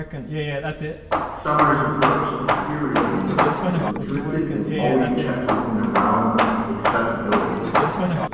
Somers's approach to serialism was intuitive and always kept within the realm of accessibility.